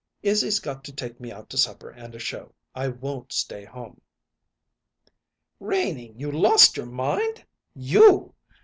"Izzy's got to take me out to supper and a show. I won't stay home." "Renie, you lost your mind? You!